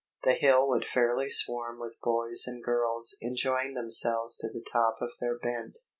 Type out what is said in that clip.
The hill would fairly swarm with boys and girls enjoying themselves to the top of their bent.